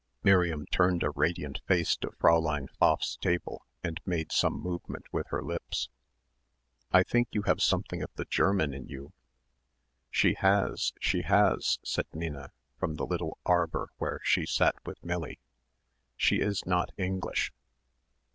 Miriam turned a radiant face to Fräulein Pfaff's table and made some movement with her lips. "I think you have something of the German in you." "She has, she has," said Minna from the little arbour where she sat with Millie. "She is not English."